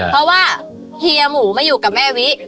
เพราะว่าเฮียหมูมาอยู่กับแม่วิ